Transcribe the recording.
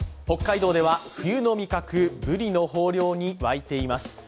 北海道では冬の味覚ブリの豊漁に沸いています。